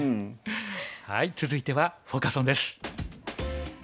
続いてはフォーカス・オンです。